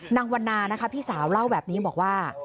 วันนานะคะพี่สาวเล่าแบบนี้บอกว่า